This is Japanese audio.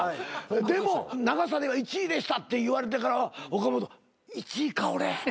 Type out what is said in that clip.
でも長さでは１位でしたって言われてからは岡本１位か俺。